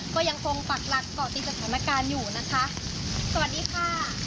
ก็ยังคงปักหลักเกาะติดสถานการณ์อยู่นะคะสวัสดีค่ะ